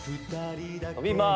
伸びます。